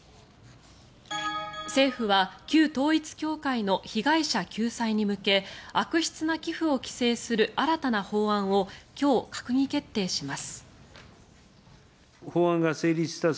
政府は旧統一教会の被害者救済に向け悪質な寄付を規制する新たな法案を今日、閣議決定します。